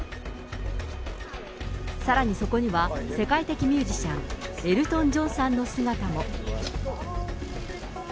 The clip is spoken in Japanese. さらにそこには、世界的ミュージシャン、エルトン・ジョンさんの姿も。